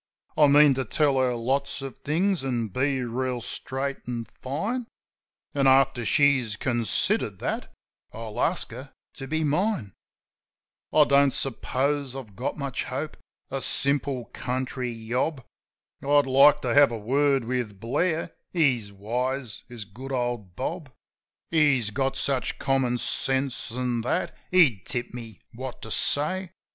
I mean to tell her lots of things, an' be reel straight an' fine ; And, after she's considered that, I'll ask her to be mine. I don't suppose I've got much hope — a simple country yob. I'd like to have a word with Blair — He's wise, is good old Bob. 93 JIM OF THE HILLS He's got such common sense an' that, he'd tip me what to say.